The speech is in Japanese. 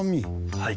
はい。